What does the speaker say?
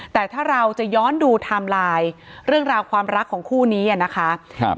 แต่ถ้าเราจะย้อนดูไทม์ไลน์เรื่องราวความรักของคู่นี้อ่ะนะคะครับ